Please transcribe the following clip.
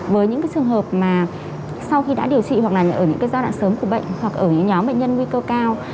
với những trường hợp mà sau khi đã điều trị hoặc là ở những giai đoạn sớm của bệnh hoặc ở những nhóm bệnh nhân nguy cơ cao